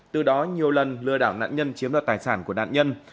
từ đó nhiều lần lừa đảo nạn nhân chiếm đoạt tài sản của nạn nhân